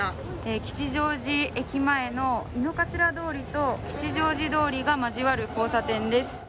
吉祥寺駅前の井の頭通りと吉祥寺通りが交わる交差点です。